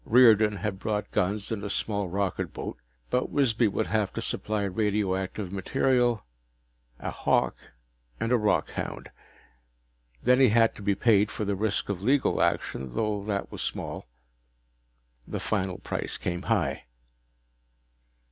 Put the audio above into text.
Riordan had brought guns and a small rocketboat, but Wisby would have to supply radioactive material, a "hawk," and a rockhound. Then he had to be paid for the risk of legal action, though that was small. The final price came high.